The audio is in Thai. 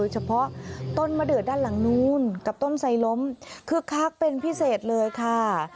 เฉพาะต้นมะเดือดด้านหลังนู้นกับต้นไซล้มคึกคักเป็นพิเศษเลยค่ะ